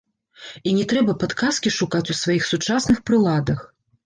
І не трэба падказкі шукаць у сваіх сучасных прыладах!